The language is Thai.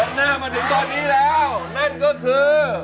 หน้ามาถึงตอนนี้แล้วนั่นก็คือ